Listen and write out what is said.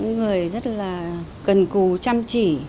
người rất là cần cù chăm chỉ